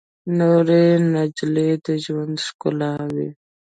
نوې نجلۍ د ژوند ښکلا وي